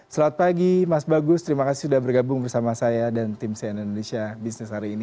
selamat pagi mas bagus terima kasih sudah bergabung bersama saya dan tim cn indonesia bisnis hari ini